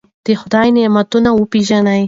د خدای نعمتونه وپېژنئ.